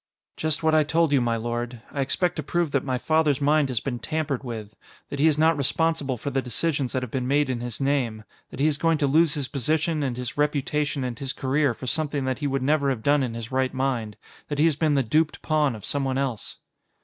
"Just what I told you, my lord. I expect to prove that my father's mind has been tampered with that he is not responsible for the decisions that have been made in his name that he is going to lose his position and his reputation and his career for something that he would never have done in his right mind that he has been the duped pawn of someone else."